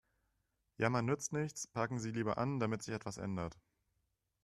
Jammern nützt nichts, packen Sie lieber an, damit sich etwas ändert.